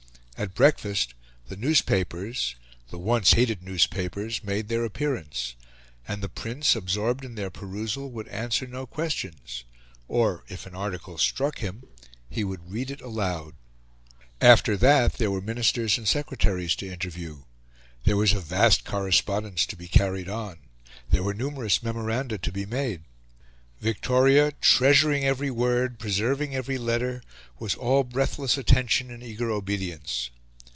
At breakfast, the newspapers the once hated newspapers made their appearance, and the Prince, absorbed in their perusal, would answer no questions, or, if an article struck him, would read it aloud. After, that there were ministers and secretaries to interview; there was a vast correspondence to be carried on; there were numerous memoranda to be made. Victoria, treasuring every word, preserving every letter, was all breathless attention and eager obedience.